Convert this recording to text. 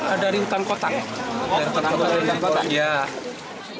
ada dari hutan kotak